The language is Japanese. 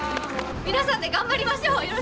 皆さんで頑張りましょう！